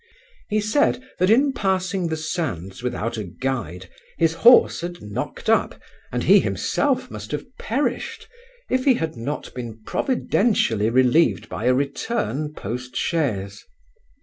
He said, that in passing the sands without a guide, his horse had knocked up, and he himself must have perished, if he had not been providentially relieved by a return post chaise.